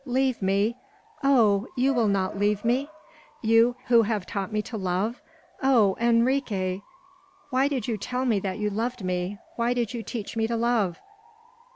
leave me! Oh! you will not leave me? You who have taught me to love! Oh! Enrique, why did you tell me that you loved me? Why did you teach me to love?"